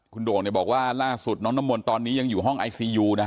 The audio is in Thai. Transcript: คุณโด่งเนี่ยบอกว่าล่าสุดน้องน้ำมนต์ตอนนี้ยังอยู่ห้องไอซียูนะฮะ